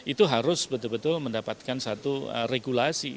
itu harus betul betul mendapatkan satu regulasi